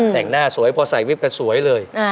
แต่งหน้าสวยพอใส่วิบก็สวยเลย